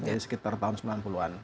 sekitar tahun sembilan puluh an